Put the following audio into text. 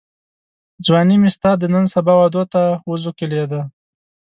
ځواني مي ستا د نن سبا وعدو ته وزوکلېده